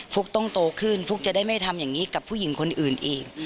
ุ๊กต้องโตขึ้นฟุ๊กจะได้ไม่ทำอย่างนี้กับผู้หญิงคนอื่นอีก